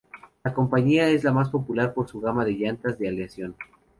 La compañía es la más popular por su gama de llantas de aleación.